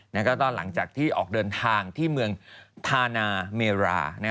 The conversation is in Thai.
แล้วก็ตอนหลังจากที่ออกเดินทางที่เมืองธานาเมรา